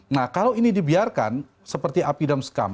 nah kalau ini dibiarkan seperti api dan skam